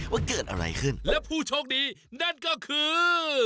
ว่าเกิดอะไรขึ้นและผู้โชคดีนั่นก็คือ